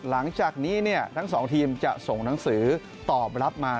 หลังจากนี้ทั้งสองทีมจะส่งหนังสือตอบรับมา